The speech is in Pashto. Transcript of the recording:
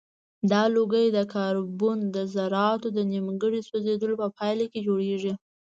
دا لوګی د کاربن د ذراتو د نیمګړي سوځیدلو په پایله کې جوړیږي.